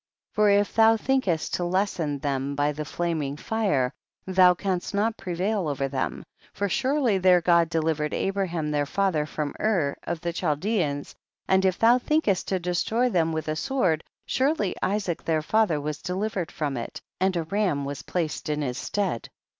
46. For if thou thinkest to lessen them by the flaming fire, thou canst not prevail over them, for surely their God delivered Abraham their father from Ur* of the Chaldeans ; and if thou thinkest to destroy them with a sword, surely Isaac their father was delivered from it, and a ram was placed in his stead.